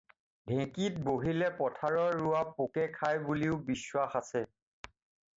ঢেঁকীত বহিলে পথাৰৰ ৰোৱা পোকে খায় বুলিও বিশ্বাস আছে।